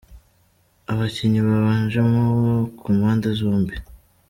Abakinnyi babanjemo ku mpande zombi :